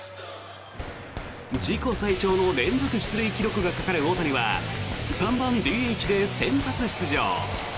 自己最長の連続出塁記録がかかる大谷は３番ＤＨで先発出場。